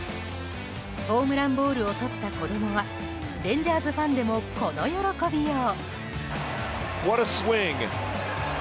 ホームランボールをとった子供はレンジャーズファンでもこの喜びよう。